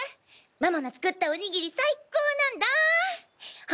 ママが作ったおにぎり最高なんだ。